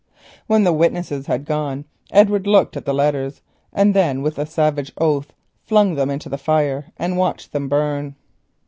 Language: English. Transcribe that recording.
When the witnesses had gone Edward looked at the letters, and then with a savage oath flung them into the fire and watched them burn.